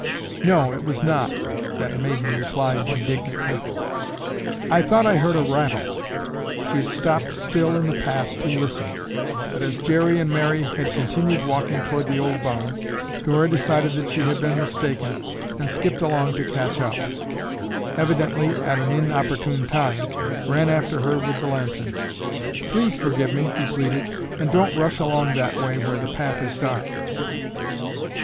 "No, it was not," that maiden replied indignantly. "I thought I heard a rattle." She had stopped still in the path to listen, but, as Jerry and Mary had continued walking toward the old barn, Dora decided that she had been mistaken and skipped along to catch up. Dick, sorry that he had teased her, evidently at an inopportune time, ran after her with the lantern. "Please forgive me," he pleaded, "and don't rush along that way where the path is dark."